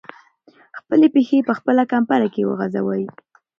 خپلې پښې په خپله کمپله کې وغځوئ.